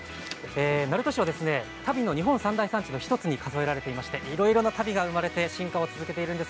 鳴門市は足袋の日本三大産地の１つでいろいろな足袋が生まれて進化を続けています。